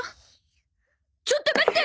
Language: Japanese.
ちょっと待って！